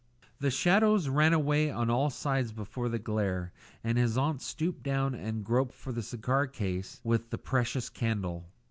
The shadows ran away on all sides before the glare, and his aunt stooped down and groped for the cigar case with the precious candle.